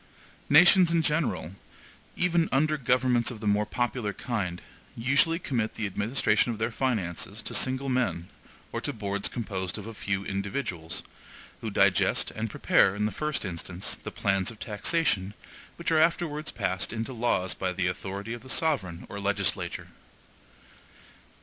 Nations in general, even under governments of the more popular kind, usually commit the administration of their finances to single men or to boards composed of a few individuals, who digest and prepare, in the first instance, the plans of taxation, which are afterwards passed into laws by the authority of the sovereign or legislature.